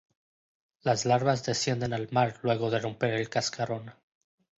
Las larvas descienden al mar luego de romper el cascarón.